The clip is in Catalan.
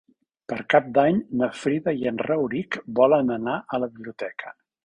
Per Cap d'Any na Frida i en Rauric volen anar a la biblioteca.